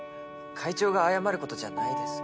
会長が謝ることじゃないです